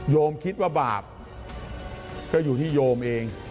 คิดว่าบาปก็อยู่ที่โยมเอง